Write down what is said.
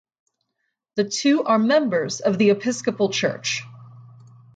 The two are members of the Episcopal Church.